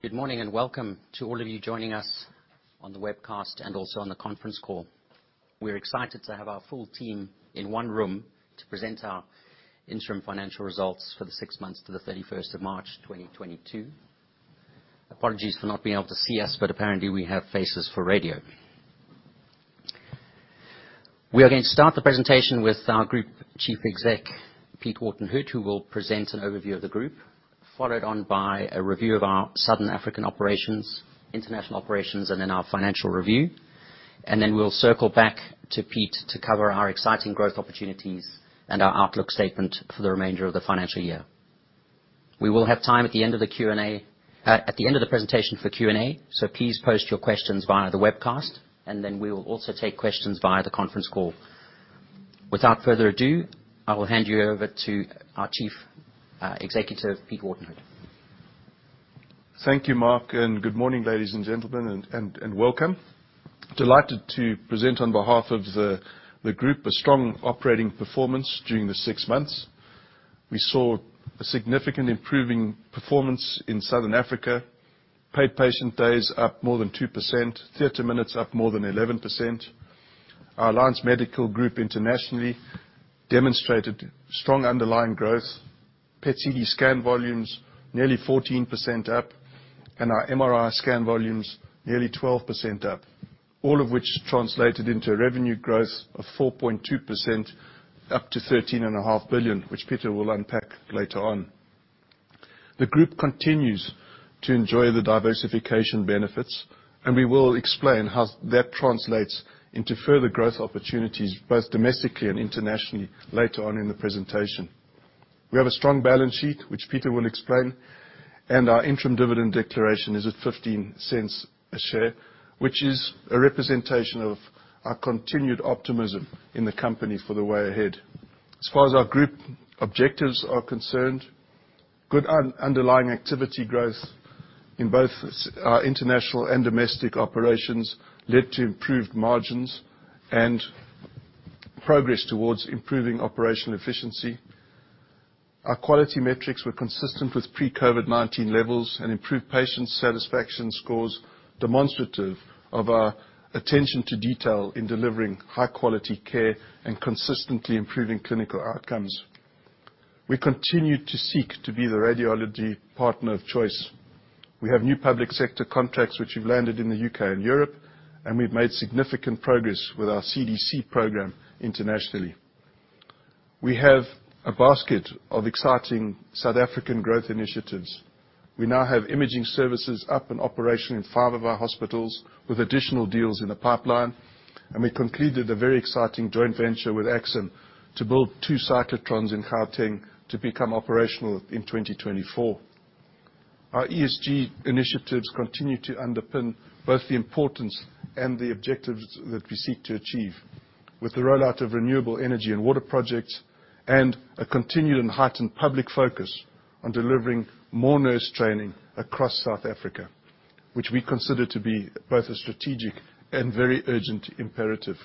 Good morning and welcome to all of you joining us on the webcast and also on the conference call. We're excited to have our full team in one room to present our interim financial results for the six months to the 31st of March, 2022. Apologies for not being able to see us, but apparently we have faces for radio. We are going to start the presentation with our Group Chief Exec, Peter Wharton-Hood, who will present an overview of the group. Followed on by a review of our Southern African operations, international operations, and then our financial review. We'll circle back to Pete to cover our exciting growth opportunities and our outlook statement for the remainder of the financial year. We will have time at the end of the Q&A, at the end of the presentation for Q&A, so please post your questions via the webcast, and then we will also take questions via the conference call. Without further ado, I will hand you over to our Chief Executive, Peter Wharton-Hood. Thank you, Mark, and good morning, ladies and gentlemen, and welcome. Delighted to present on behalf of the group a strong operating performance during the six months. We saw a significant improving performance in Southern Africa. Paid patient days up more than 2%, theater minutes up more than 11%. Our Alliance Medical Group internationally demonstrated strong underlying growth. PET/CT scan volumes nearly 14% up, and our MRI scan volumes nearly 12% up. All of which translated into a revenue growth of 4.2%, up to 13.5 billion, which Pieter will unpack later on. The group continues to enjoy the diversification benefits, and we will explain how that translates into further growth opportunities, both domestically and internationally, later on in the presentation. We have a strong balance sheet, which Pieter will explain, and our interim dividend declaration is at 0.15 a share, which is a representation of our continued optimism in the company for the way ahead. As far as our group objectives are concerned, good underlying activity growth in both international and domestic operations led to improved margins and progress towards improving operational efficiency. Our quality metrics were consistent with pre-COVID-19 levels and improved patient satisfaction scores, demonstrative of our attention to detail in delivering high-quality care and consistently improving clinical outcomes. We continue to seek to be the radiology partner of choice. We have new public sector contracts which we've landed in the UK and Europe, and we've made significant progress with our CDC program internationally. We have a basket of exciting South African growth initiatives. We now have imaging services up and operational in 5 of our hospitals, with additional deals in the pipeline, and we concluded a very exciting joint venture with AXIM to build two cyclotrons in Gauteng to become operational in 2024. Our ESG initiatives continue to underpin both the importance and the objectives that we seek to achieve with the rollout of renewable energy and water projects, and a continued and heightened public focus on delivering more nurse training across South Africa, which we consider to be both a strategic and very urgent imperative.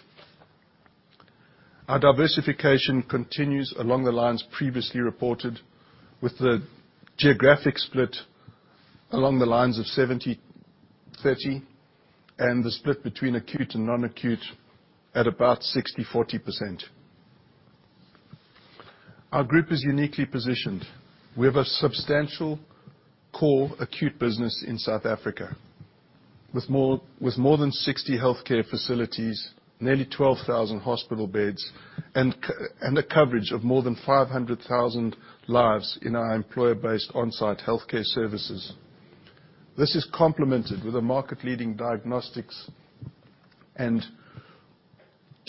Our diversification continues along the lines previously reported, with the geographic split along the lines of 70/30, and the split between acute and non-acute at about 60/40%. Our group is uniquely positioned. We have a substantial core acute business in South Africa, with more than 60 healthcare facilities, nearly 12,000 hospital beds, and a coverage of more than 500,000 lives in our employer-based on-site healthcare services. This is complemented with a market-leading diagnostics and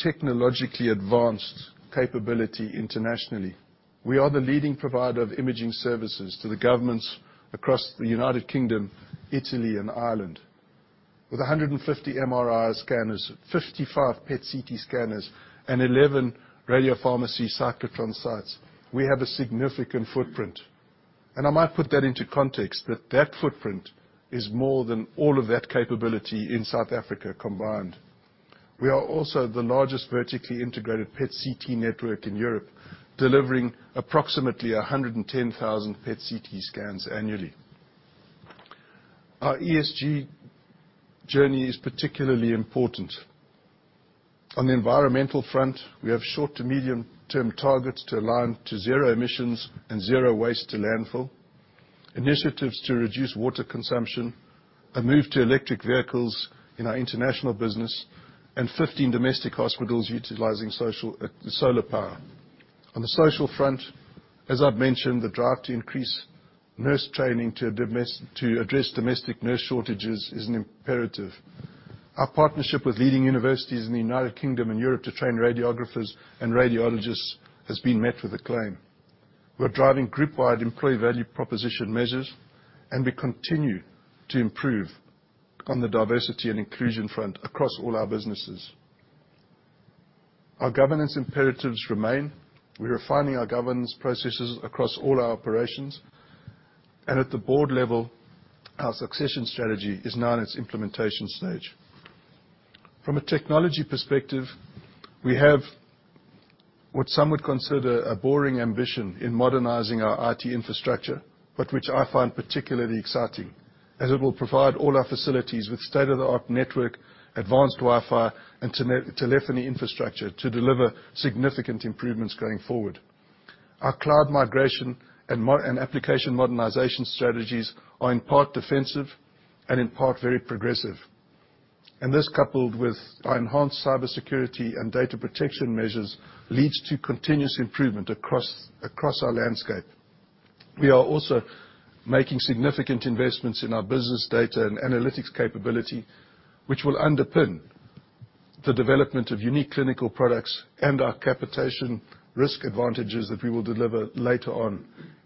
technologically advanced capability internationally. We are the leading provider of imaging services to the governments across the United Kingdom, Italy, and Ireland. With 150 MRI scanners, 55 PET/CT scanners, and 11 radiopharmacy cyclotron sites, we have a significant footprint. I might put that into context, that footprint is more than all of that capability in South Africa combined. We are also the largest vertically integrated PET/CT network in Europe, delivering approximately 110,000 PET/CT scans annually. Our ESG journey is particularly important. On the environmental front, we have short to medium-term targets to align to zero emissions and zero waste to landfill, initiatives to reduce water consumption, a move to electric vehicles in our international business, and 15 domestic hospitals utilizing solar power. On the social front, as I've mentioned, the drive to increase nurse training to address domestic nurse shortages is an imperative. Our partnership with leading universities in the United Kingdom and Europe to train radiographers and radiologists has been met with acclaim. We're driving group-wide employee value proposition measures, and we continue to improve on the diversity and inclusion front across all our businesses. Our governance imperatives remain. We're refining our governance processes across all our operations. At the board level, our succession strategy is now in its implementation stage. From a technology perspective, we have what some would consider a boring ambition in modernizing our IT infrastructure, but which I find particularly exciting as it will provide all our facilities with state-of-the-art network, advanced Wi-Fi, and telephony infrastructure to deliver significant improvements going forward. Our cloud migration and application modernization strategies are in part defensive and in part very progressive. This, coupled with our enhanced cybersecurity and data protection measures, leads to continuous improvement across our landscape. We are also making significant investments in our business data and analytics capability, which will underpin the development of unique clinical products and our capitation risk advantages that we will deliver later on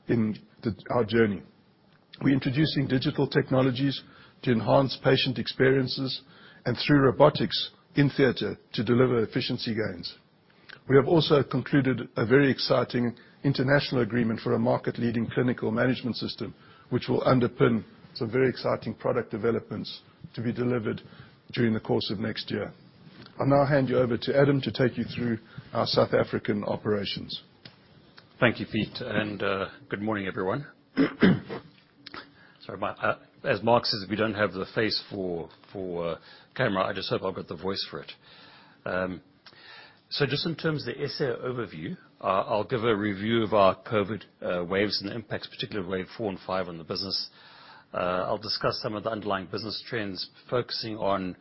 in our journey. We're introducing digital technologies to enhance patient experiences and through robotics in theater to deliver efficiency gains. We have also concluded a very exciting international agreement for a market-leading clinical management system, which will underpin some very exciting product developments to be delivered during the course of next year. I'll now hand you over to Adam to take you through our South African operations. Thank you, Pete, and good morning, everyone. Sorry. As Mark says, we don't have the face for camera. I just hope I've got the voice for it. In terms of the SA overview, I'll give a review of our COVID waves and the impacts, particularly wave 4 and 5 on the business. I'll discuss some of the underlying business trends, focusing on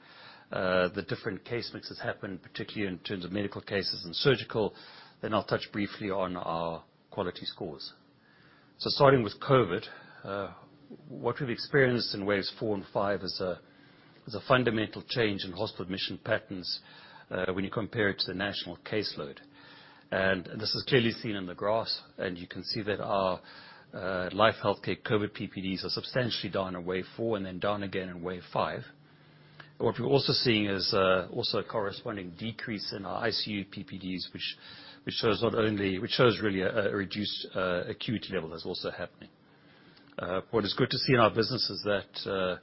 the different case mix that's happened, particularly in terms of medical cases and surgical. I'll touch briefly on our quality scores. Starting with COVID, what we've experienced in waves 4 and 5 is a fundamental change in hospital admission patterns when you compare it to the national caseload. This is clearly seen in the graphs, and you can see that our Life Healthcare COVID PPDs are substantially down in wave four and then down again in wave five. What we're also seeing is also a corresponding decrease in our ICU PPDs which shows really a reduced acuity level that's also happening. What is good to see in our business is that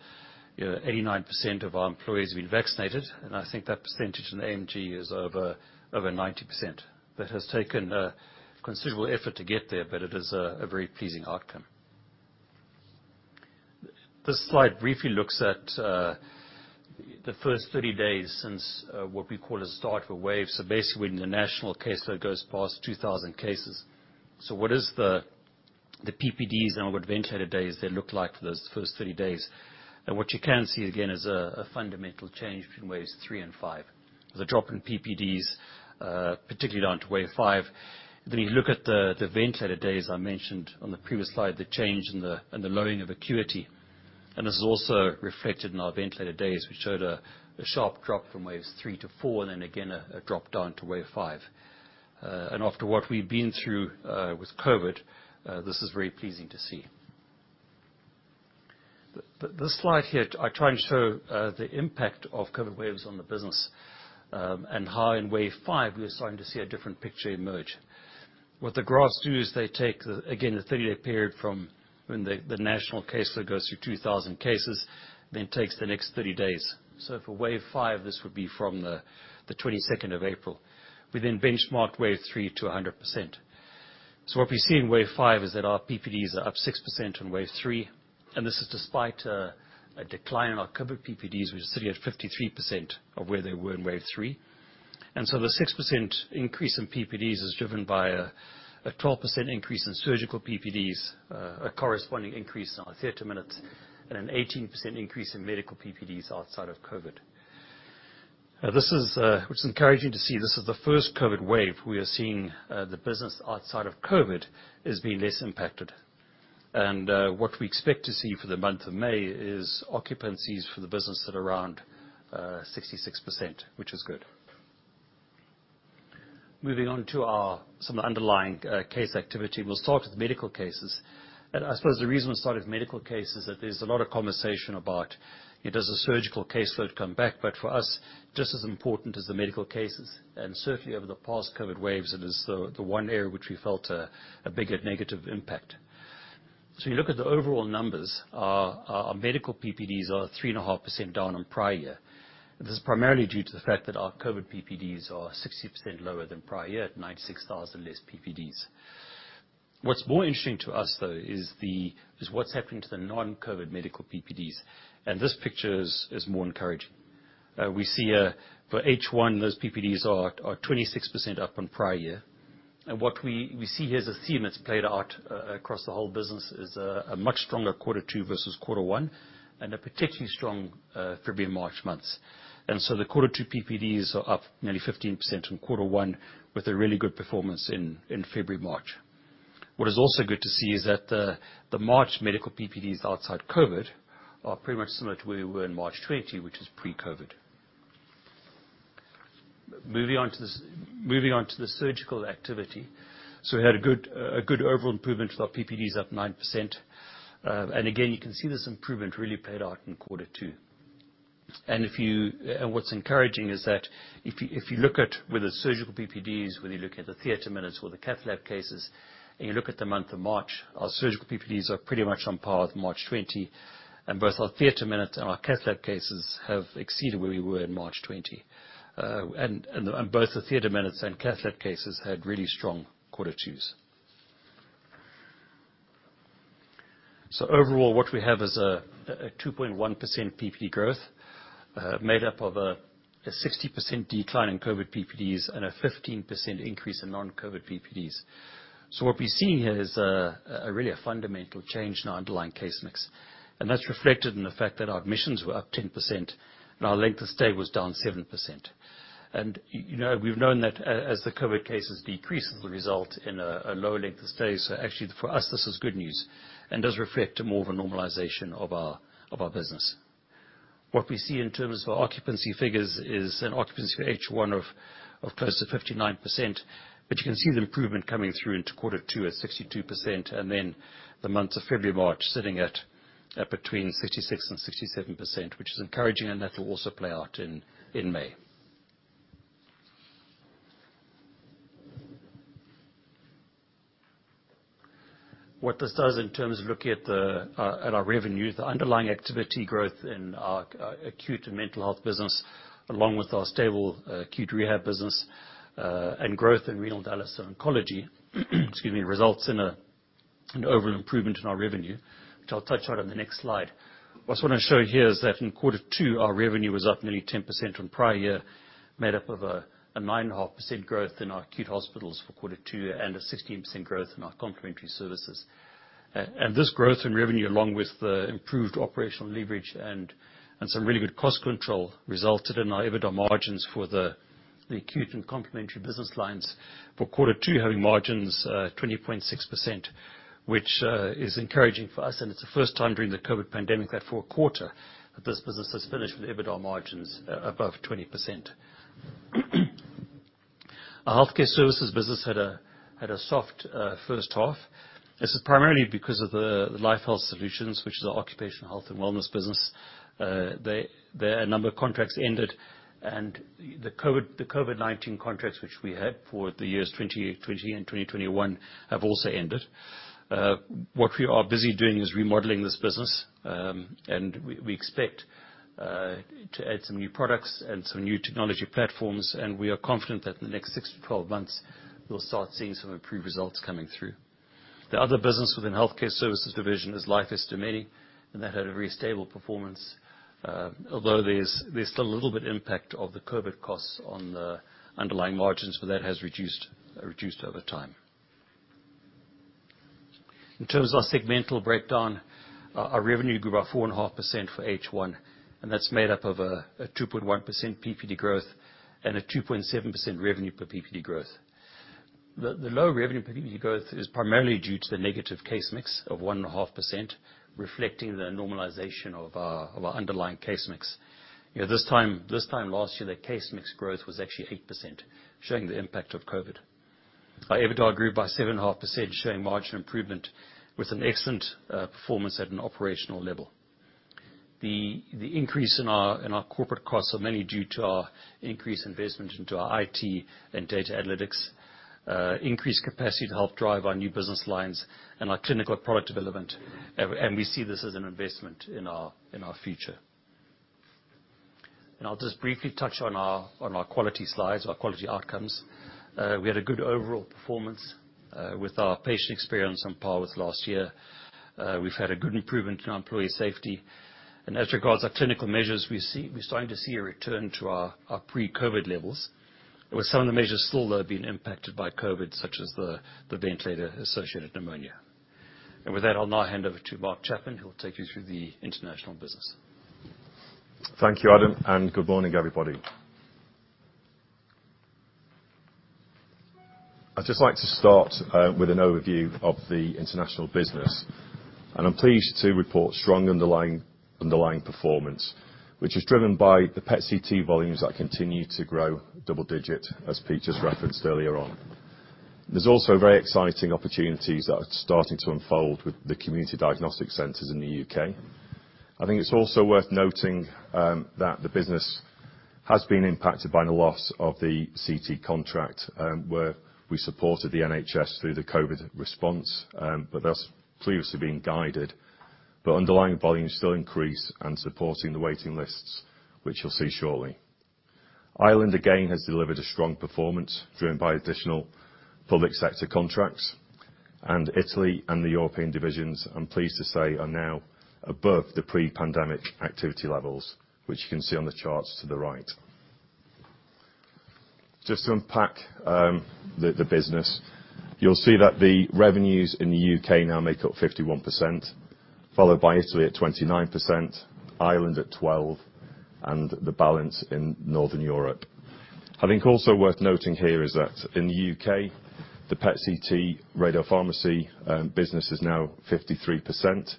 you know 89% of our employees have been vaccinated, and I think that percentage in AMG is over 90%. That has taken a considerable effort to get there, but it is a very pleasing outcome. This slide briefly looks at the first 30 days since what we call a start of a wave. Basically, when the national caseload goes past 2,000 cases. What is the PPDs and what ventilator days they look like for those first 30 days. What you can see again is a fundamental change between waves 3 and 5. The drop in PPDs particularly down to wave 5. You look at the ventilator days I mentioned on the previous slide, the change and the lowering of acuity, and this is also reflected in our ventilator days which showed a sharp drop from waves 3 to 4 and then again a drop down to wave 5. After what we've been through with COVID this is very pleasing to see. This slide here, I try and show the impact of COVID waves on the business, and how in wave 5 we're starting to see a different picture emerge. What the graphs do is they take, again, the 30-day period from when the national caseload goes through 2,000 cases, then takes the next 30 days. For wave 5, this would be from the 22nd of April. We then benchmarked wave 3 to 100%. What we see in wave 5 is that our PPDs are up 6% on wave 3, and this is despite a decline in our COVID PPDs which are sitting at 53% of where they were in wave 3. The 6% increase in PPDs is driven by a 12% increase in surgical PPDs, a corresponding increase in our theater minutes, and an 18% increase in medical PPDs outside of COVID. This is what's encouraging to see. This is the first COVID wave we are seeing, the business outside of COVID is being less impacted. What we expect to see for the month of May is occupancies for the business at around 66%, which is good. Moving on to our some underlying case activity. We'll start with medical cases. I suppose the reason we started with medical cases, that there's a lot of conversation about, you know, does the surgical caseload come back? For us, just as important as the medical cases, and certainly over the past COVID waves, it is the one area which we felt a bigger negative impact. You look at the overall numbers. Our medical PPDs are 3.5% down on prior year. This is primarily due to the fact that our COVID PPDs are 60% lower than prior year at 96,000 less PPDs. What's more interesting to us, though, is what's happening to the non-COVID medical PPDs, and this picture is more encouraging. We see for H1, those PPDs are 26% up on prior year. What we see here is a theme that's played out across the whole business is a much stronger quarter two versus quarter one, and a particularly strong February and March months. The quarter two PPDs are up nearly 15% on quarter one with a really good performance in February, March. What is also good to see is that the March medical PPDs outside COVID are pretty much similar to where we were in March 2020, which is pre-COVID. Moving on to the surgical activity. We had a good overall improvement with our PPDs up 9%. You can see this improvement really played out in quarter two. What's encouraging is that if you look at the surgical PPDs, whether you're looking at the theater minutes or the cath lab cases, and you look at the month of March, our surgical PPDs are pretty much on par with March 2020. Both our theater minutes and our cath lab cases have exceeded where we were in March 2020. Both the theater minutes and cath lab cases had really strong quarter twos. Overall, what we have is a 2.1% PPD growth, made up of a 60% decline in COVID PPDs and a 15% increase in non-COVID PPDs. What we're seeing here is a really fundamental change in our underlying case mix, and that's reflected in the fact that our admissions were up 10% and our length of stay was down 7%. You know, we've known that as the COVID cases decrease, it'll result in a lower length of stay. Actually for us, this is good news and does reflect more of a normalization of our business. What we see in terms of our occupancy figures is an occupancy for H1 of close to 59%. You can see the improvement coming through into quarter two at 62%, and then the months of February, March, sitting at between 66%-67%, which is encouraging, and that will also play out in May. What this does in terms of looking at our revenue, the underlying activity growth in our acute and mental health business, along with our stable acute rehab business, and growth in renal dialysis and oncology, excuse me, results in an overall improvement in our revenue, which I'll touch on in the next slide. What I just wanna show here is that in quarter two, our revenue was up nearly 10% from prior year, made up of a 9.5% growth in our acute hospitals for quarter two and a 16% growth in our complementary services. This growth in revenue, along with the improved operational leverage and some really good cost control, resulted in our EBITDA margins for the acute and complementary business lines for quarter two having margins 20.6%, which is encouraging for us, and it's the first time during the COVID pandemic that for a quarter that this business has finished with EBITDA margins above 20%. Our healthcare services business had a soft first half. This is primarily because of the Life Health Solutions, which is our occupational health and wellness business. Their number of contracts ended, and the COVID-19 contracts which we had for the years 2020 and 2021 have also ended. What we are busy doing is remodeling this business, and we expect to add some new products and some new technology platforms, and we are confident that in the next 6-12 months, we'll start seeing some improved results coming through. The other business within healthcare services division is Life Esidimeni, and that had a very stable performance, although there's still a little bit impact of the COVID costs on the underlying margins, but that has reduced over time. In terms of our segmental breakdown, our revenue grew by 4.5% for H1, and that's made up of a 2.1% PPD growth and a 2.7% revenue per PPD growth. The low revenue per PPD growth is primarily due to the negative case mix of 1.5%, reflecting the normalization of our underlying case mix. You know, this time last year, the case mix growth was actually 8%, showing the impact of COVID. Our EBITDA grew by 7.5%, showing margin improvement with an excellent performance at an operational level. The increase in our corporate costs is mainly due to our increased investment into our IT and data analytics, increased capacity to help drive our new business lines and our clinical product development. We see this as an investment in our future. I'll just briefly touch on our quality slides, our quality outcomes. We had a good overall performance with our patient experience on par with last year. We've had a good improvement in our employee safety. As regards our clinical measures, we see we're starting to see a return to our pre-COVID levels, with some of the measures still though being impacted by COVID, such as the ventilator-associated pneumonia. With that, I'll now hand over to Mark Chapman, who will take you through the international business. Thank you, Adam, and good morning, everybody. I'd just like to start with an overview of the international business, and I'm pleased to report strong underlying performance, which is driven by the PET/CT volumes that continue to grow double-digit, as Pete just referenced earlier on. There's also very exciting opportunities that are starting to unfold with the Community Diagnostic Centres in the UK. I think it's also worth noting that the business has been impacted by the loss of the CT contract where we supported the NHS through the COVID response, but that's previously been guided. Underlying volumes still increase and supporting the waiting lists, which you'll see shortly. Ireland, again, has delivered a strong performance driven by additional public sector contracts. Italy and the European divisions, I'm pleased to say, are now above the pre-pandemic activity levels, which you can see on the charts to the right. Just to unpack the business, you'll see that the revenues in the U.K. now make up 51%, followed by Italy at 29%, Ireland at 12%, and the balance in Northern Europe. I think also worth noting here is that in the U.K., the PET/CT radiopharmacy business is now 53%.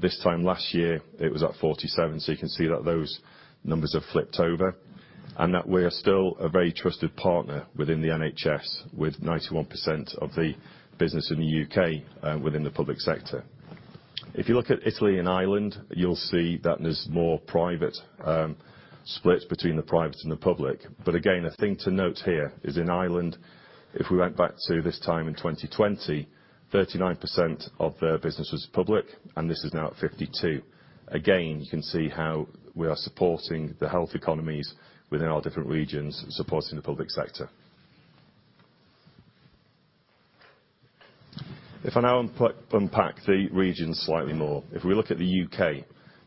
This time last year, it was at 47%, so you can see that those numbers have flipped over and that we're still a very trusted partner within the NHS, with 91% of the business in the U.K. within the public sector. If you look at Italy and Ireland, you'll see that there's more private splits between the private and the public. Again, a thing to note here is in Ireland, if we went back to this time in 2020, 39% of their business was public, and this is now at 52. Again, you can see how we are supporting the health economies within our different regions, supporting the public sector. If I now unpack the regions slightly more, if we look at the U.K.,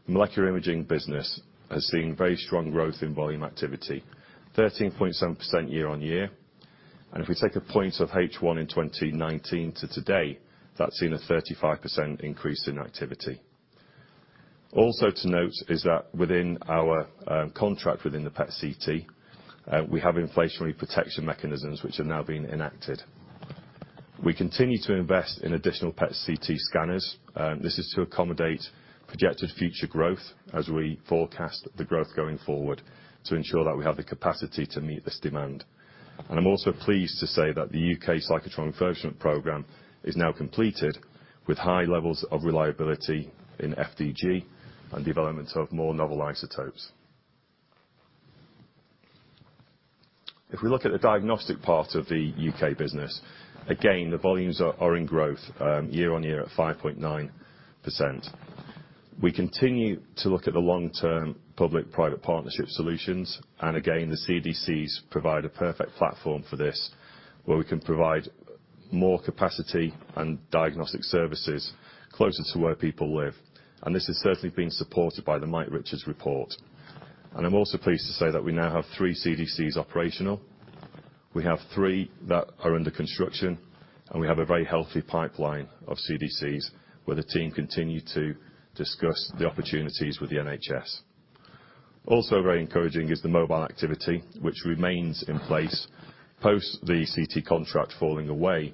molecular imaging business has seen very strong growth in volume activity, 13.7% year-on-year. If we take a point of H1 in 2019 to today, that's seen a 35% increase in activity. Also to note is that within our contract within the PET/CT, we have inflationary protection mechanisms which are now being enacted. We continue to invest in additional PET/CT scanners. This is to accommodate projected future growth as we forecast the growth going forward to ensure that we have the capacity to meet this demand. I'm also pleased to say that the U.K. Cyclotron conversion program is now completed with high levels of reliability in FDG and development of more novel isotopes. If we look at the diagnostic part of the U..K business, again, the volumes are in growth year-on-year at 5.9%. We continue to look at the long-term public-private partnership solutions, and again, the CDCs provide a perfect platform for this, where we can provide more capacity and diagnostic services closer to where people live. This is certainly being supported by the Mike Richards report. I'm also pleased to say that we now have three CDCs operational. We have three that are under construction, and we have a very healthy pipeline of CDCs, where the team continue to discuss the opportunities with the NHS. Also very encouraging is the mobile activity, which remains in place post the CT contract falling away.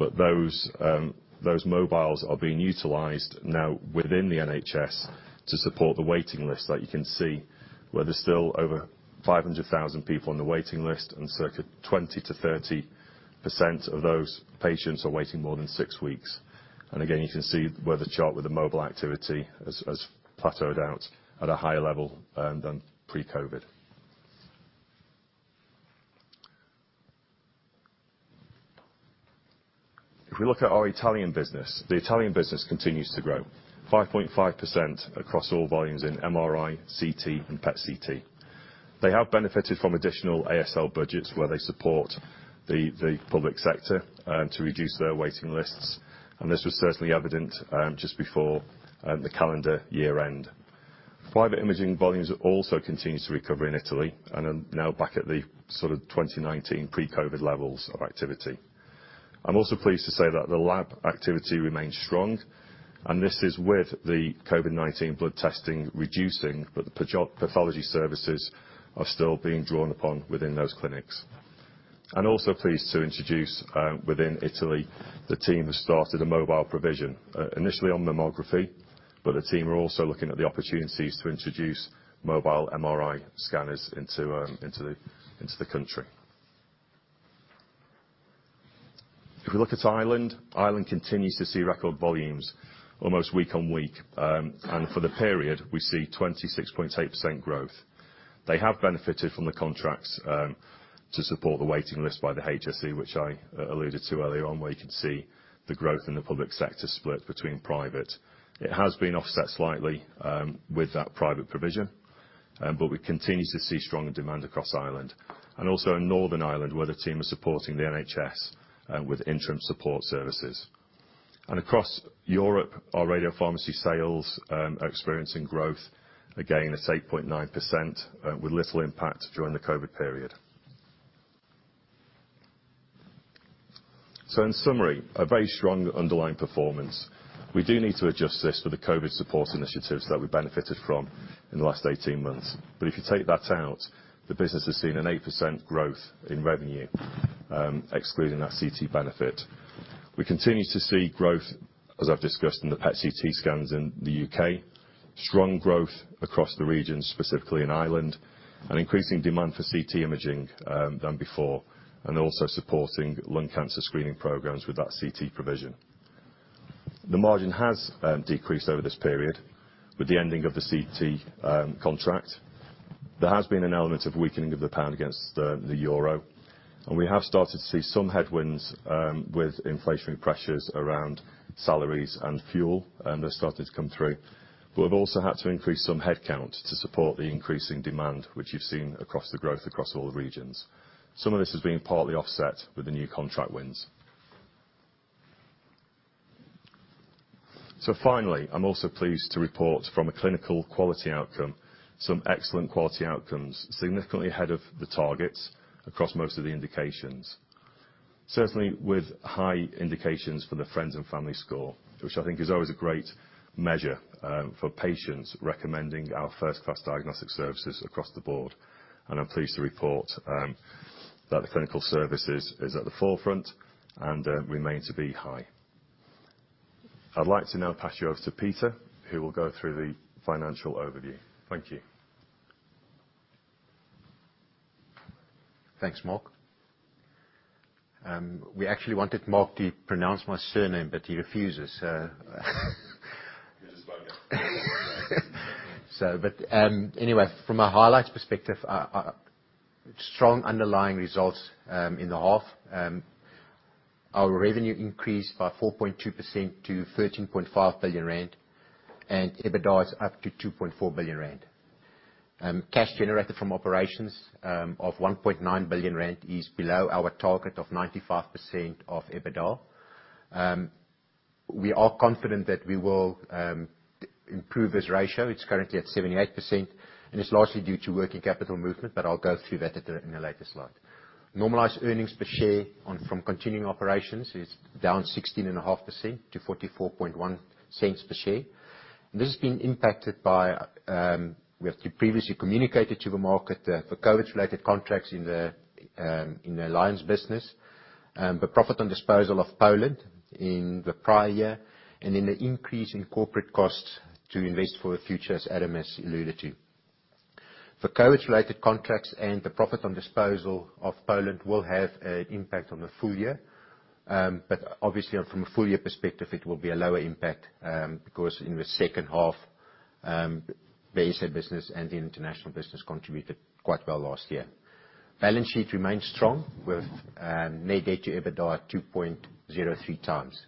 Those mobiles are being utilized now within the NHS to support the waiting list that you can see, where there's still over 500,000 people on the waiting list and circa 20%-30% of those patients are waiting more than six weeks. Again, you can see where the chart with the mobile activity has plateaued out at a higher level than pre-COVID. If we look at our Italian business, the Italian business continues to grow 5.5% across all volumes in MRI, CT, and PET/CT. They have benefited from additional ASL budgets where they support the public sector to reduce their waiting lists, and this was certainly evident just before the calendar year end. Private imaging volumes also continues to recover in Italy and are now back at the sort of 2019 pre-COVID levels of activity. I'm also pleased to say that the lab activity remains strong, and this is with the COVID-19 blood testing reducing, but the pathology services are still being drawn upon within those clinics. I'm also pleased to introduce within Italy, the team has started a mobile provision initially on mammography, but the team are also looking at the opportunities to introduce mobile MRI scanners into the country. If we look at Ireland continues to see record volumes almost week-on-week, and for the period, we see 26.8% growth. They have benefited from the contracts to support the waiting list by the HSE, which I alluded to earlier on, where you can see the growth in the public sector split between private. It has been offset slightly with that private provision, but we continue to see stronger demand across Ireland and also in Northern Ireland, where the team are supporting the NHS with interim support services. Across Europe, our radiopharmacy sales are experiencing growth, again, at 8.9%, with little impact during the COVID period. In summary, a very strong underlying performance. We do need to adjust this for the COVID support initiatives that we benefited from in the last 18 months. If you take that out, the business has seen an 8% growth in revenue, excluding that CT benefit. We continue to see growth, as I've discussed, in the PET/CT scans in the U.K., strong growth across the region, specifically in Ireland, an increasing demand for CT imaging more than before, and also supporting lung cancer screening programs with that CT provision. The margin has decreased over this period with the ending of the CT contract. There has been an element of weakening of the pound against the euro, and we have started to see some headwinds with inflationary pressures around salaries and fuel that are starting to come through. But we've also had to increase some headcount to support the increasing demand, which you've seen across the growth across all the regions. Some of this is being partly offset with the new contract wins. Finally, I'm also pleased to report from a clinical quality outcome some excellent quality outcomes, significantly ahead of the targets across most of the indications. Certainly with high indications for the Friends and Family Test, which I think is always a great measure, for patients recommending our first-class diagnostic services across the board. I'm pleased to report that the clinical services is at the forefront and remain to be high. I'd like to now pass you over to Pieter, who will go through the financial overview. Thank you. Thanks, Mark. We actually wanted Mark to pronounce my surname, but he refuses, but anyway, from a highlights perspective, strong underlying results in the half. Our revenue increased by 4.2% to 13.5 billion rand, and EBITDA is up to 2.4 billion rand. Cash generated from operations of 1.9 billion rand is below our target of 95% of EBITDA. We are confident that we will improve this ratio. It's currently at 78%, and it's largely due to working capital movement, but I'll go through that in a later slide. Normalized earnings per share from continuing operations is down 16.5% to 0.441 per share. This has been impacted by, we have previously communicated to the market the COVID-related contracts in the Alliance business, the profit on disposal of Poland in the prior year, and then the increase in corporate costs to invest for the future, as Adam has alluded to. The COVID-related contracts and the profit on disposal of Poland will have an impact on the full year. Obviously from a full year perspective, it will be a lower impact, because in the second half, the SA business and the international business contributed quite well last year. Balance sheet remains strong with net debt to EBITDA 2.03x.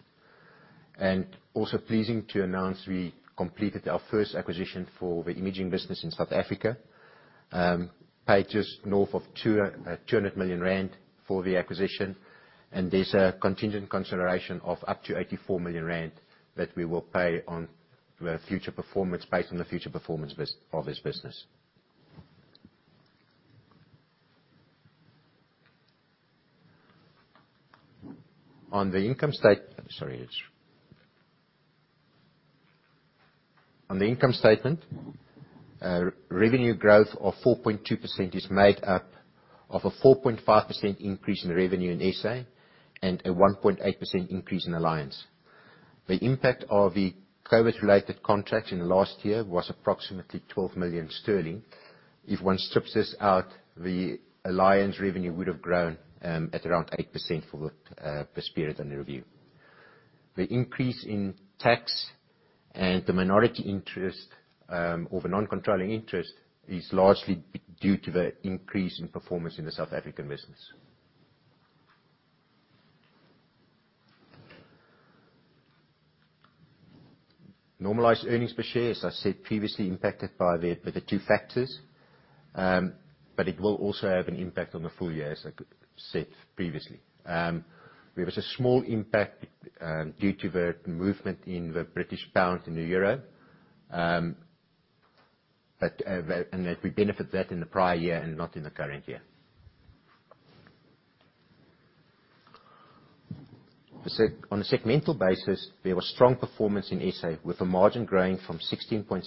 Also pleasing to announce we completed our first acquisition for the imaging business in South Africa. Paid just north of 200 million rand for the acquisition, and there's a contingent consideration of up to 84 million rand that we will pay on the future performance, based on the future performance of this business. On the income statement, revenue growth of 4.2% is made up of a 4.5% increase in revenue in SA, and a 1.8% increase in Alliance. The impact of the COVID-related contracts in the last year was approximately 12 million sterling. If one strips this out, the Alliance revenue would have grown at around 8% for this period under review. The increase in tax and the minority interest, or the non-controlling interest, is largely due to the increase in performance in the South African business. Normalized earnings per share, as I said previously, impacted by the two factors, but it will also have an impact on the full year, as I said previously. There was a small impact due to the movement in the British pound and the euro, but we benefited from that in the prior year and not in the current year. On a segmental basis, there was strong performance in SA, with the margin growing from 16.6%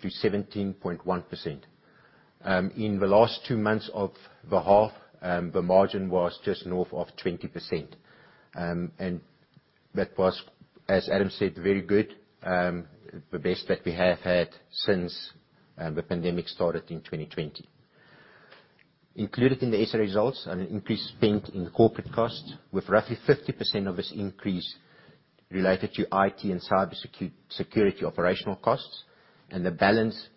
to 17.1%. In the last two months of the half, the margin was just north of 20%. That was, as Adam said, very good. The best that we have had since the pandemic started in 2020. Included in the SA results, an increased spend in corporate costs, with roughly 50% of this increase related to IT and cybersecurity operational costs, and the balance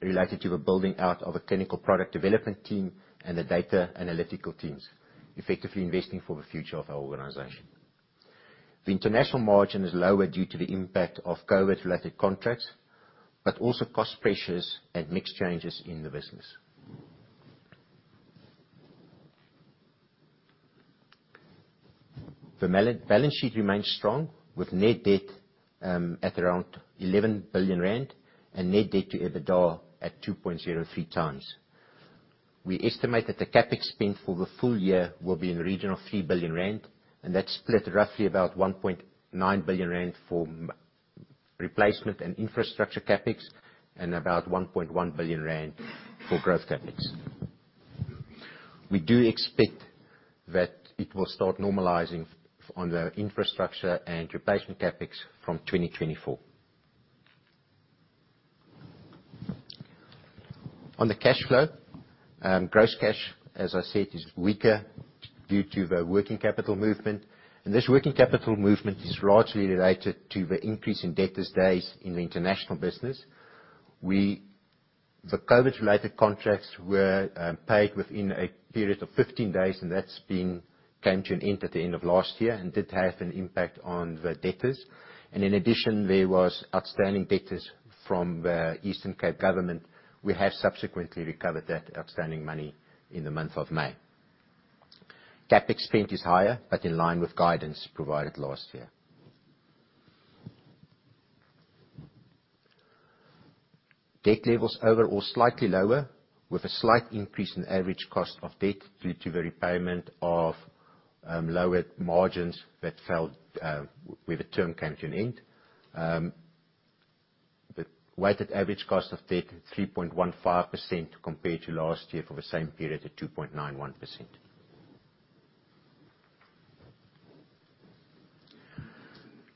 related to the building out of a clinical product development team and the data analytics teams, effectively investing for the future of our organization. The international margin is lower due to the impact of COVID-related contracts, but also cost pressures and mixed changes in the business. The balance sheet remains strong, with net debt at around 11 billion rand and net debt to EBITDA at 2.03 times. We estimate that the CapEx spend for the full year will be in the region of 3 billion rand, and that's split roughly about 1.9 billion rand for replacement and infrastructure CapEx, and about 1.1 billion rand for growth CapEx. We do expect that it will start normalizing from the infrastructure and replacement CapEx from 2024. On the cash flow, gross cash, as I said, is weaker due to the working capital movement. This working capital movement is largely related to the increase in debtors' days in the international business. The COVID-related contracts were paid within a period of 15 days, and that's come to an end at the end of last year and did have an impact on the debtors. In addition, there was outstanding debtors from Eastern Cape Government. We have subsequently recovered that outstanding money in the month of May. CapEx spend is higher, but in line with guidance provided last year. Debt levels overall slightly lower, with a slight increase in average cost of debt due to the repayment of lower margins that fell with the term came to an end. The weighted average cost of debt, 3.15% compared to last year for the same period at 2.91%.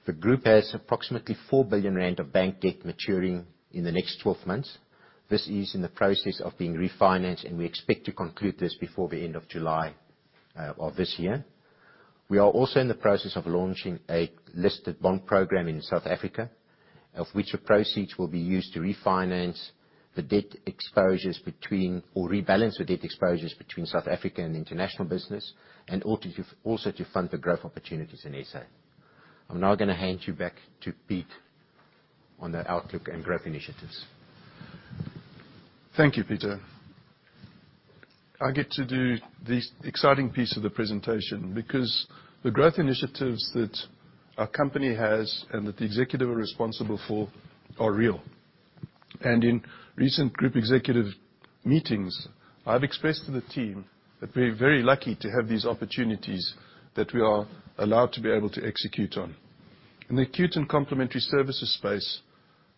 The group has approximately 4 billion rand of bank debt maturing in the next 12 months. This is in the process of being refinanced, and we expect to conclude this before the end of July of this year. We are also in the process of launching a listed bond program in South Africa, of which the proceeds will be used to refinance or rebalance the debt exposures between South Africa and the international business, and also to fund the growth opportunities in SA I'm now gonna hand you back to Pete on the outlook and growth initiatives. Thank you, Pieter. I get to do the exciting piece of the presentation because the growth initiatives that our company has, and that the executive are responsible for, are real. In recent group executive meetings, I've expressed to the team that we're very lucky to have these opportunities that we are allowed to be able to execute on. In the acute and complementary services space,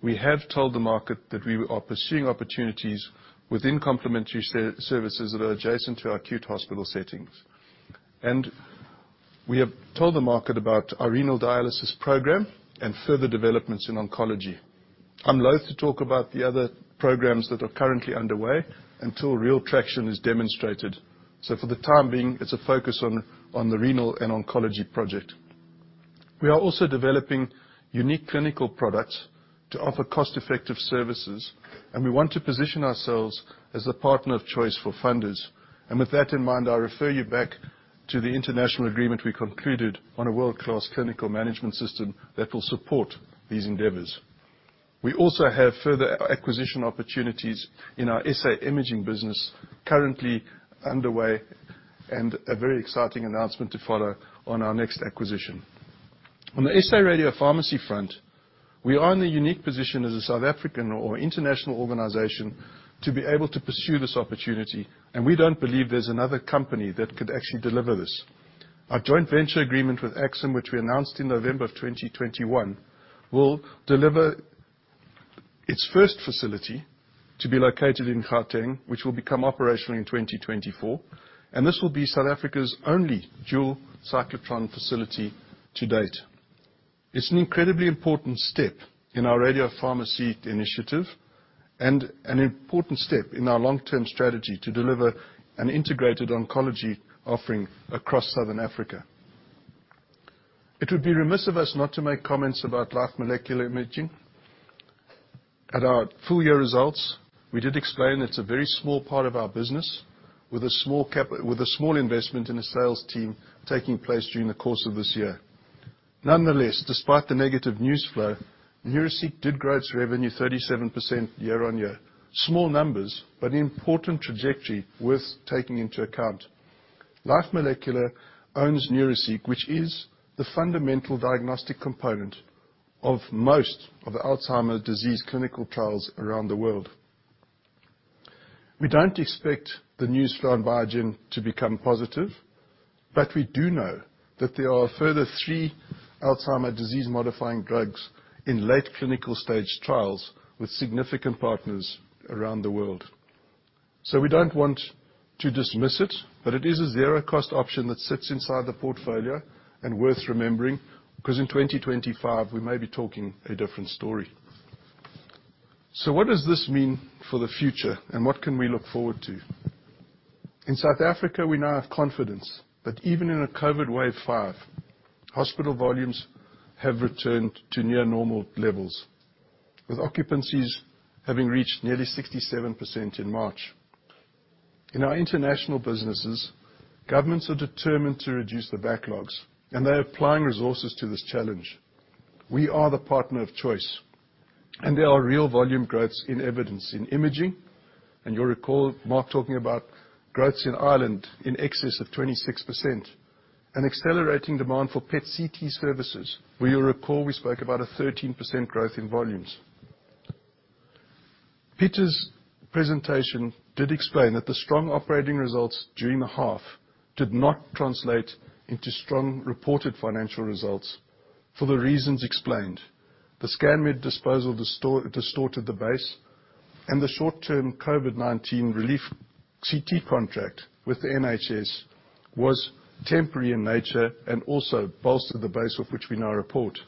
we have told the market that we are pursuing opportunities within complementary services that are adjacent to acute hospital settings. We have told the market about our renal dialysis program and further developments in oncology. I'm loath to talk about the other programs that are currently underway until real traction is demonstrated. For the time being, it's a focus on the renal and oncology project. We are also developing unique clinical products to offer cost-effective services, and we want to position ourselves as the partner of choice for funders. With that in mind, I refer you back to the international agreement we concluded on a world-class clinical management system that will support these endeavors. We also have further acquisition opportunities in our SA imaging business currently underway, and a very exciting announcement to follow on our next acquisition. On the SA radiopharmacy front, we are in the unique position as a South African or international organization to be able to pursue this opportunity, and we don't believe there's another company that could actually deliver this. Our joint venture agreement with AXIM, which we announced in November of 2021, will deliver its first facility to be located in Gauteng, which will become operational in 2024. This will be South Africa's only dual cyclotron facility to date. It's an incredibly important step in our radiopharmacy initiative and an important step in our long-term strategy to deliver an integrated oncology offering across Southern Africa. It would be remiss of us not to make comments about Life Molecular Imaging. At our full year results, we did explain it's a very small part of our business with a small investment and a sales team taking place during the course of this year. Nonetheless, despite the negative news flow, Neuraceq did grow its revenue 37% year-on-year. Small numbers, but an important trajectory worth taking into account. Life Molecular Imaging owns Neuraceq, which is the fundamental diagnostic component of most of the Alzheimer's disease clinical trials around the world. We don't expect the news flow on Biogen to become positive, but we do know that there are a further three Alzheimer's disease-modifying drugs in late clinical stage trials with significant partners around the world. We don't want to dismiss it, but it is a zero cost option that sits inside the portfolio and worth remembering, because in 2025 we may be talking a different story. What does this mean for the future, and what can we look forward to? In South Africa, we now have confidence that even in a COVID wave five, hospital volumes have returned to near normal levels, with occupancies having reached nearly 67% in March. In our international businesses, governments are determined to reduce the backlogs, and they're applying resources to this challenge. We are the partner of choice, and there are real volume growths in evidence in imaging. You'll recall Mark talking about growth in Ireland in excess of 26%, and accelerating demand for PET/CT services, where you'll recall we spoke about a 13% growth in volumes. Peter's presentation did explain that the strong operating results during the half did not translate into strong reported financial results for the reasons explained. The Scanmed disposal distorted the base, and the short-term COVID-19 relief CT contract with the NHS was temporary in nature and also bolstered the base of which we now report.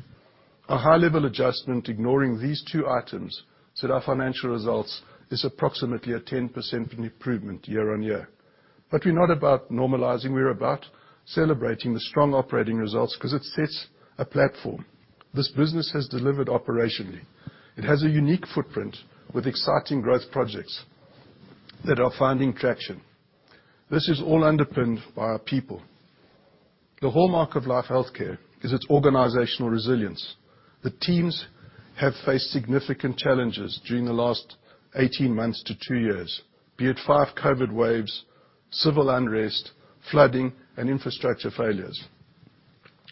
A high-level adjustment ignoring these two items so that our financial results is approximately a 10% improvement year-on-year. We're not about normalizing. We're about celebrating the strong operating results because it sets a platform. This business has delivered operationally. It has a unique footprint with exciting growth projects that are finding traction. This is all underpinned by our people. The hallmark of Life Healthcare is its organizational resilience. The teams have faced significant challenges during the last 18 months to two years, be it 5 COVID waves, civil unrest, flooding, and infrastructure failures.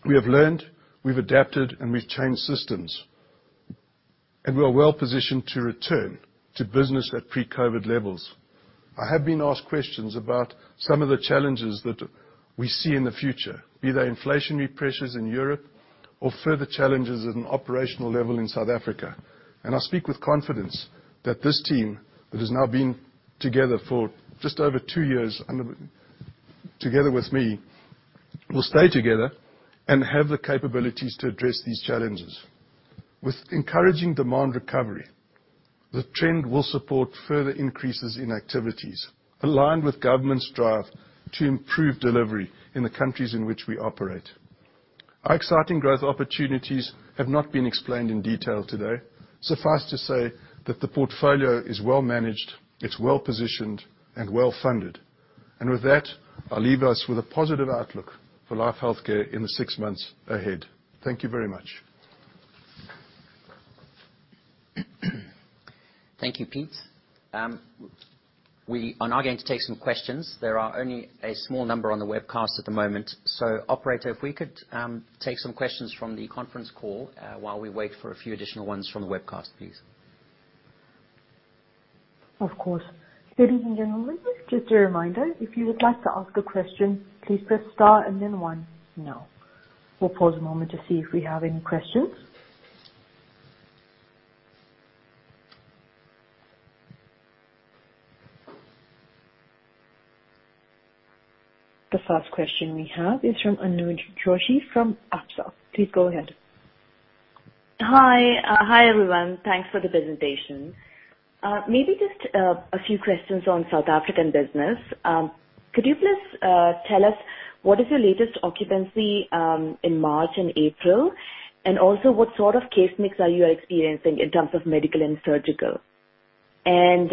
We have learned, we've adapted, and we've changed systems, and we are well-positioned to return to business at pre-COVID levels. I have been asked questions about some of the challenges that we see in the future, be they inflationary pressures in Europe or further challenges at an operational level in South Africa. I speak with confidence that this team, that has now been together for just over two years together with me, will stay together and have the capabilities to address these challenges. With encouraging demand recovery. The trend will support further increases in activities aligned with government's drive to improve delivery in the countries in which we operate. Our exciting growth opportunities have not been explained in detail today. Suffice to say that the portfolio is well managed, it's well-positioned, and well-funded. With that, I'll leave us with a positive outlook for Life Healthcare in the six months ahead. Thank you very much. Thank you, Pete. We are now going to take some questions. There are only a small number on the webcast at the moment. Operator, if we could, take some questions from the conference call, while we wait for a few additional ones from the webcast, please. Of course. Ladies and gentlemen, just a reminder, if you would like to ask a question, please press star and then one now. We'll pause a moment to see if we have any questions. The first question we have is from Anuja Joshi from Absa. Please go ahead. Hi, everyone. Thanks for the presentation. Maybe just a few questions on South African business. Could you please tell us what is your latest occupancy in March and April? And also what sort of case mix are you experiencing in terms of medical and surgical? And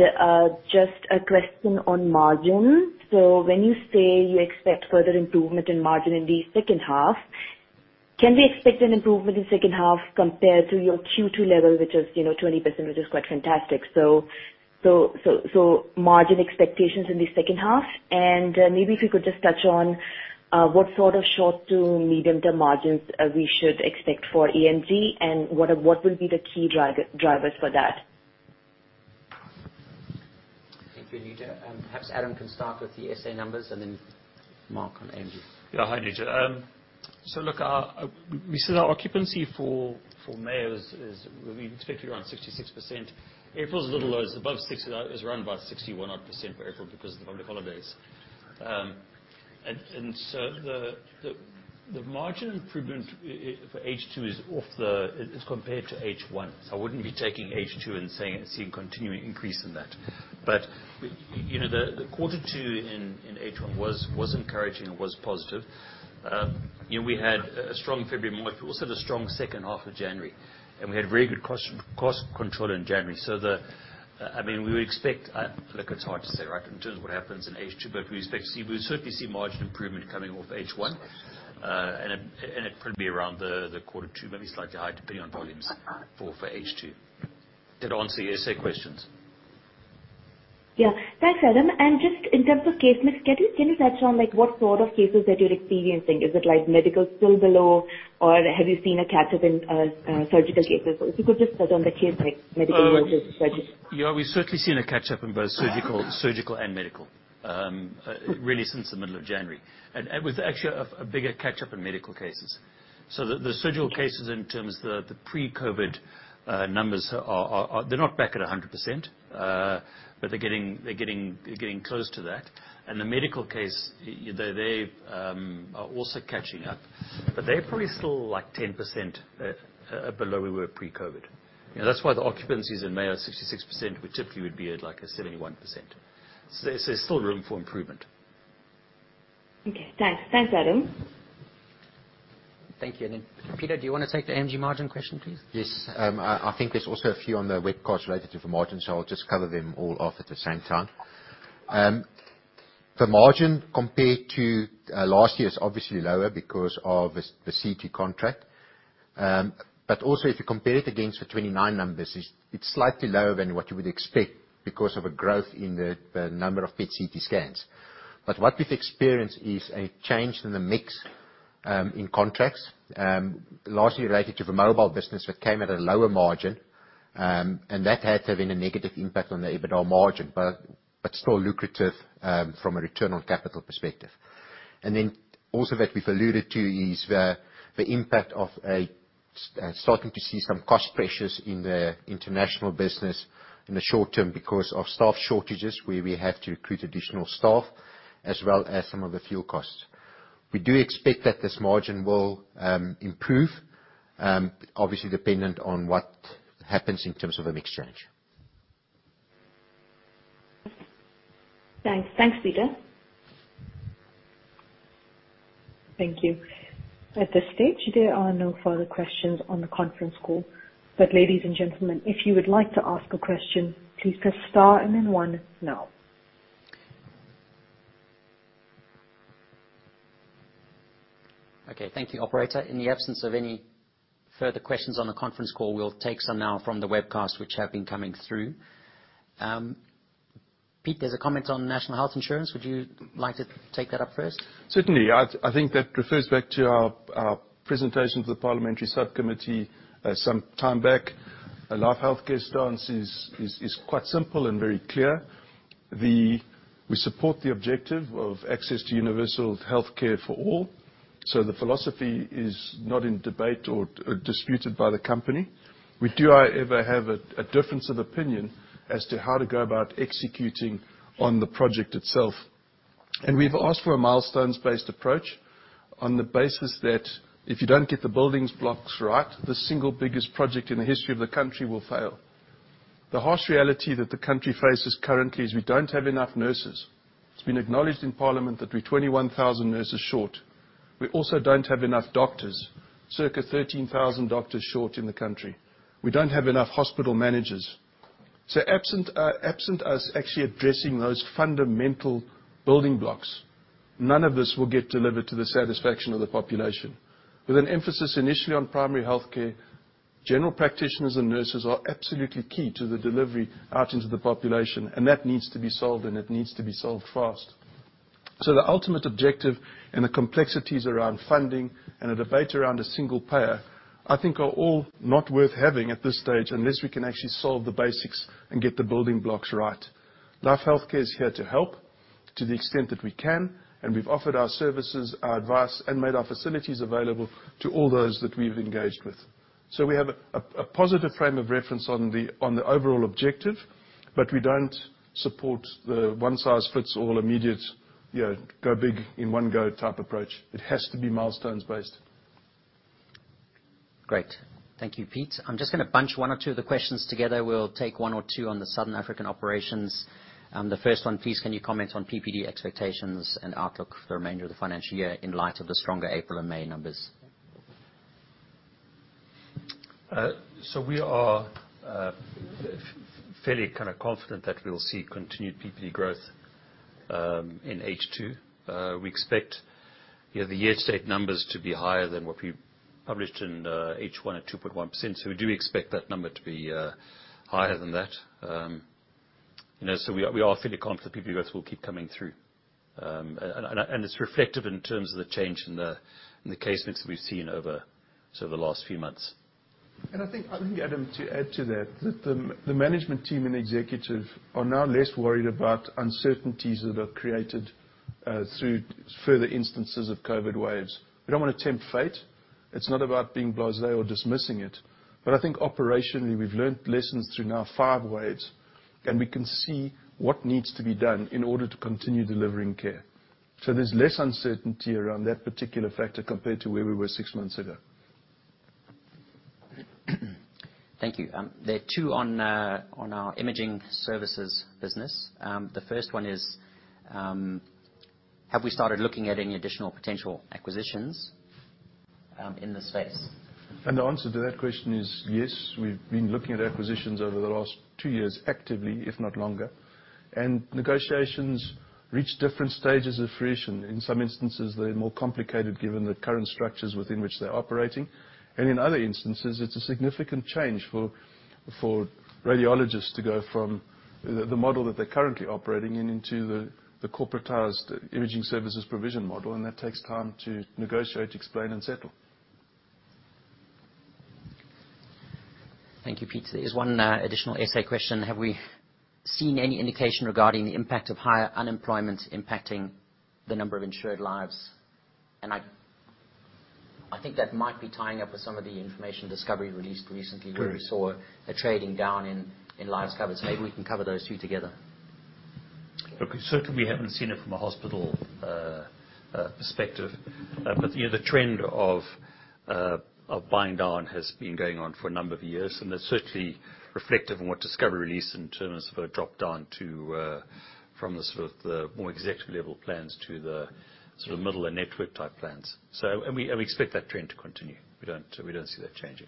just a question on margin. When you say you expect further improvement in margin in the second half, can we expect an improvement in second half compared to your Q2 level, which is, you know, 20%, which is quite fantastic. Margin expectations in the second half, and maybe if you could just touch on what sort of short to medium-term margins we should expect for AMG, and what will be the key driver, drivers for that? Thank you, Anuj. Perhaps Adam can start with the SA numbers and then Mark on AMG. Yeah. Hi, Anuja. We said our occupancy for May is we expect to be around 66%. April is a little lower. It's above 60. It was around about 61 odd % for April because of the public holidays. The margin improvement for H2 is compared to H1, so I wouldn't be taking H2 and saying it's seeing continuing increase in that. You know, the quarter two in H1 was encouraging and was positive. We had a strong February, March. We also had a strong second half of January, and we had very good cost control in January. I mean, we would expect, look, it's hard to say, right? In terms of what happens in H2, we expect to see. We'll certainly see margin improvement coming off H1. It probably be around the quarter two, maybe slightly higher, depending on volumes for H2. Did that answer your SA questions? Yeah. Thanks, Adam. Just in terms of case mix, can you touch on, like, what sort of cases that you're experiencing? Is it, like, medical still below, or have you seen a catch-up in surgical cases? If you could just touch on the case mix, medical versus surgical. Yeah. We've certainly seen a catch-up in both surgical and medical really since the middle of January. It was actually a bigger catch-up in medical cases. The surgical cases in terms of the pre-COVID numbers are. They're not back at 100%, but they're getting close to that. The medical case, you know, they are also catching up. They're probably still, like, 10% below where we were pre-COVID. You know, that's why the occupancies in May are 66%. We typically would be at, like, a 71%. There's still room for improvement. Okay. Thanks, Adam. Thank you. Pieter, do you wanna take the AMG margin question, please? Yes. I think there's also a few on the webcast related to the margin, so I'll just cover them all off at the same time. The margin compared to last year is obviously lower because of the CT contract. Also if you compare it against the 2019 numbers, it's slightly lower than what you would expect because of a growth in the number of PET/CT scans. What we've experienced is a change in the mix in contracts, largely related to the mobile business that came at a lower margin. Having a negative impact on the EBITDA margin, but still lucrative from a return on capital perspective. Then also that we've alluded to is the impact of a Starting to see some cost pressures in the international business in the short term because of staff shortages, where we have to recruit additional staff, as well as some of the fuel costs. We do expect that this margin will improve, obviously dependent on what happens in terms of a mix change. Thanks. Thanks, Pieter. Thank you. At this stage, there are no further questions on the conference call. Ladies and gentlemen, if you would like to ask a question, please press star and then one now. Okay. Thank you, operator. In the absence of any further questions on the conference call, we'll take some now from the webcast which have been coming through. Pete, there's a comment on National Health Insurance. Would you like to take that up first? Certainly. I think that refers back to our presentation to the parliamentary subcommittee some time back. Life Healthcare stance is quite simple and very clear. We support the objective of access to universal healthcare for all, so the philosophy is not in debate or disputed by the company. We do however have a difference of opinion as to how to go about executing on the project itself. We've asked for a milestones-based approach on the basis that if you don't get the building blocks right, the single biggest project in the history of the country will fail. The harsh reality that the country faces currently is we don't have enough nurses. It's been acknowledged in Parliament that we're 21,000 nurses short. We also don't have enough doctors. Circa 13,000 doctors short in the country. We don't have enough hospital managers. Absent us actually addressing those fundamental building blocks, none of this will get delivered to the satisfaction of the population. With an emphasis initially on primary healthcare, general practitioners and nurses are absolutely key to the delivery out into the population, and that needs to be solved and it needs to be solved fast. The ultimate objective and the complexities around funding and a debate around a single payer, I think are all not worth having at this stage unless we can actually solve the basics and get the building blocks right. Life Healthcare is here to help to the extent that we can, and we've offered our services, our advice, and made our facilities available to all those that we've engaged with. We have a positive frame of reference on the overall objective, but we don't support the one-size-fits-all immediate, you know, go big in one go type approach. It has to be milestones based. Great. Thank you, Pete. I'm just gonna bunch one or two of the questions together. We'll take one or two on the Southern African operations. The first one, please, can you comment on PPD expectations and outlook for the remainder of the financial year in light of the stronger April and May numbers? We are fairly kinda confident that we'll see continued PPD growth in H2. We expect, you know, the year-to-date numbers to be higher than what we published in H1 at 2.1%. We do expect that number to be higher than that. You know, we are fairly confident PPD growth will keep coming through. It's reflective in terms of the change in the case mix that we've seen over sort of the last few months. I think, Adam, to add to that the management team and the executive are now less worried about uncertainties that are created through further instances of COVID waves. We don't wanna tempt fate. It's not about being blasé or dismissing it. I think operationally, we've learnt lessons through now five waves, and we can see what needs to be done in order to continue delivering care. There's less uncertainty around that particular factor compared to where we were six months ago. Thank you. There are two on our imaging services business. The first one is, have we started looking at any additional potential acquisitions in this space? The answer to that question is yes. We've been looking at acquisitions over the last two years actively, if not longer. Negotiations reach different stages of fruition. In some instances, they're more complicated given the current structures within which they're operating. In other instances, it's a significant change for radiologists to go from the model that they're currently operating in into the corporatized imaging services provision model, and that takes time to negotiate, explain, and settle. Thank you, Pete. There's one additional essay question. Have we seen any indication regarding the impact of higher unemployment impacting the number of insured lives? I think that might be tying up with some of the information Discovery released recently. Mm-hmm. where we saw a trading down in lives covered. Maybe we can cover those two together. Look, certainly we haven't seen it from a hospital perspective. You know, the trend of buying down has been going on for a number of years, and that's certainly reflective in what Discovery released in terms of a drop down to from the sort of the more executive level plans to the sort of middle and network type plans. And we expect that trend to continue. We don't see that changing.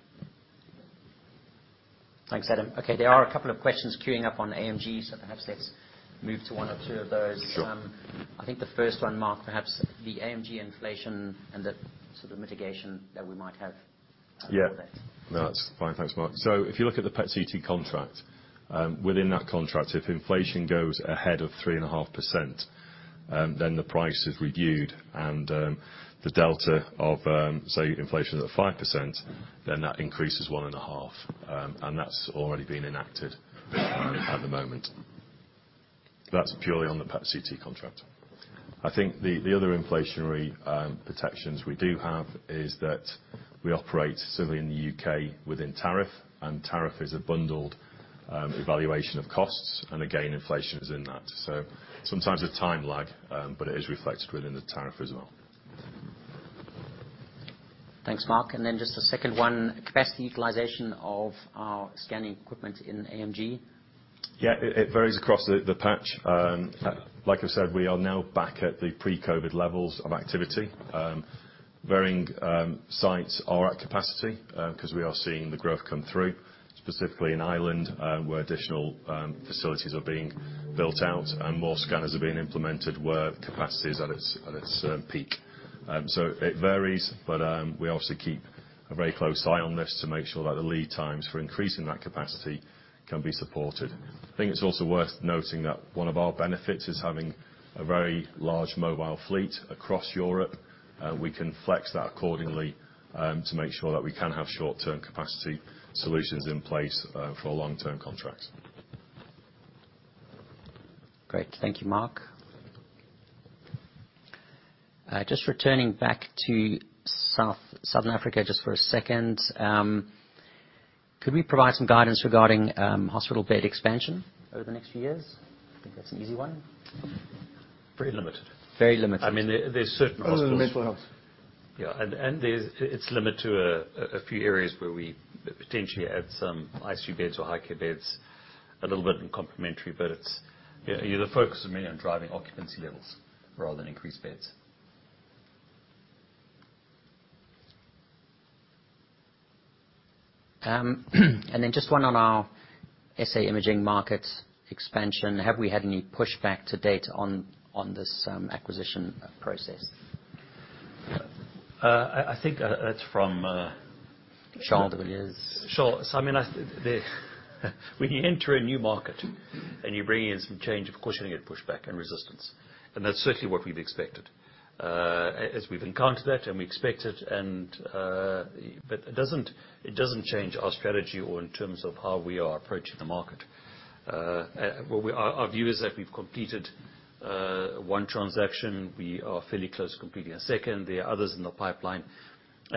Thanks, Adam. Okay, there are a couple of questions queuing up on AMG, so perhaps let's move to one or two of those. Sure. I think the first one, Mark, perhaps the AMG inflation and the sort of mitigation that we might have, for that. Yeah. No, that's fine. Thanks, Mark. If you look at the PET-CT contract, within that contract, if inflation goes ahead of 3.5%, then the price is reviewed and, the delta of, say, inflation's at 5%, then that increase is 1.5%, and that's already been enacted at the moment. That's purely on the PET-CT contract. I think the other inflationary protections we do have is that we operate certainly in the U.K. within tariff, and tariff is a bundled evaluation of costs, and again, inflation is in that. Sometimes a time lag, but it is reflected within the tariff result. Thanks, Mark. Just a second one. Capacity utilization of our scanning equipment in AMG. Yeah. It varies across the patch. Like I said, we are now back at the pre-COVID levels of activity. Varying sites are at capacity 'cause we are seeing the growth come through, specifically in Ireland, where additional facilities are being built out and more scanners are being implemented where capacity is at its peak. It varies, but we obviously keep a very close eye on this to make sure that the lead times for increasing that capacity can be supported. I think it's also worth noting that one of our benefits is having a very large mobile fleet across Europe. We can flex that accordingly to make sure that we can have short-term capacity solutions in place for long-term contracts. Great. Thank you, Mark. Just returning back to Southern Africa just for a second. Could we provide some guidance regarding hospital bed expansion over the next few years? I think that's an easy one. Very limited. Very limited. I mean, there's certain hospitals. Very limited. It's limited to a few areas where we potentially add some ICU beds or high-care beds, a little bit in complementary. Yeah, the focus is mainly on driving occupancy levels rather than increased beds. Just one on our SA Imaging market expansion. Have we had any pushback to date on this acquisition process? I think that's from. Sean. I mean, when you enter a new market and you're bringing in some change, of course you're gonna get pushback and resistance, and that's certainly what we've expected. As we've encountered that, and we expect it. Well, it doesn't change our strategy or in terms of how we are approaching the market. Well, our view is that we've completed one transaction. We are fairly close to completing a second. There are others in the pipeline.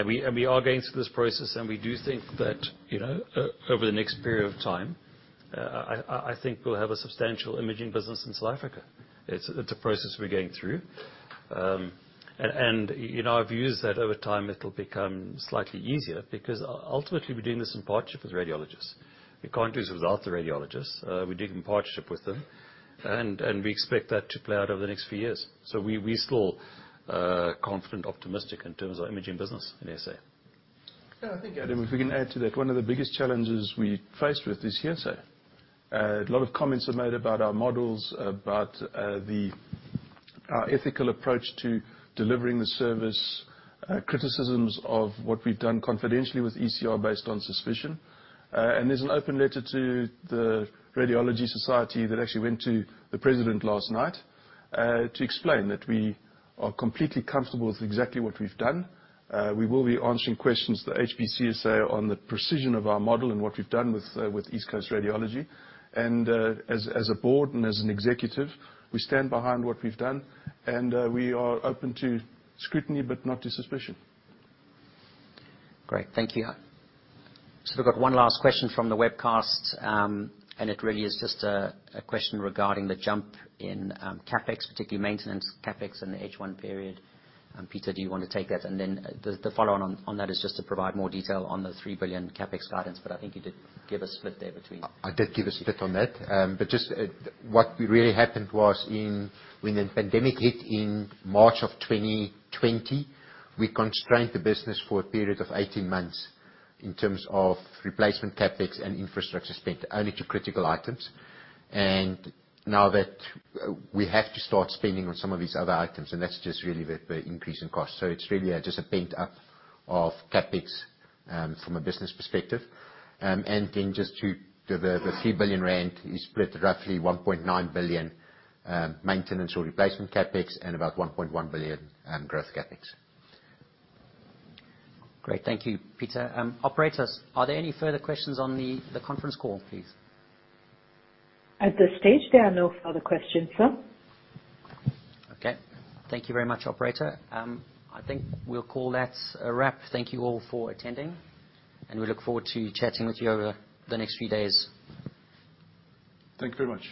We are going through this process, and we do think that, you know, over the next period of time, I think we'll have a substantial imaging business in South Africa. It's a process we're going through. You know, our view is that over time it'll become slightly easier because ultimately we're doing this in partnership with radiologists. We can't do this without the radiologists. We do it in partnership with them. We expect that to play out over the next few years. We're still confident, optimistic in terms of our imaging business in SA. Yeah, I think, Adam, if we can add to that. One of the biggest challenges we faced this year, a lot of comments are made about our models, about the our ethical approach to delivering the service, criticisms of what we've done confidentially with ECR based on suspicion. There's an open letter to the Radiology Society that actually went to the president last night, to explain that we are completely comfortable with exactly what we've done. We will be answering questions to the HPCSA on the precision of our model and what we've done with East Coast Radiology. As a board and as an executive, we stand behind what we've done and we are open to scrutiny, but not to suspicion. Great. Thank you. We've got one last question from the webcast, and it really is just a question regarding the jump in CapEx, particularly maintenance CapEx in the H1 period. Peter, do you wanna take that? The follow-on on that is just to provide more detail on the 3 billion CapEx guidance, but I think you did give a split there between. I did give a split on that. But what really happened was when the pandemic hit in March of 2020, we constrained the business for a period of 18 months in terms of replacement CapEx and infrastructure spend only to critical items. Now that we have to start spending on some of these other items, and that's just really the increase in cost. It's really just a pent-up of CapEx from a business perspective. Then just to the 3 billion rand is split roughly 1.9 billion maintenance or replacement CapEx and about 1.1 billion growth CapEx. Great. Thank you, Pieter. Operators, are there any further questions on the conference call, please? At this stage, there are no further questions, sir. Okay. Thank you very much, operator. I think we'll call that a wrap. Thank you all for attending, and we look forward to chatting with you over the next few days. Thank you very much.